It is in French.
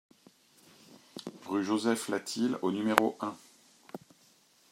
Rue Joseph Latil au numéro un